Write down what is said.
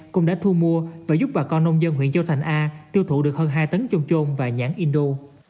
cũng đã thu mua và giúp bà con nông dân huyện châu thành a tiêu thụ được hơn hai tấn chôm trôn và nhãn indo